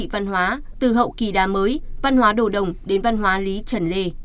văn hóa từ hậu kỳ đa mới văn hóa đồ đồng đến văn hóa lý trần lê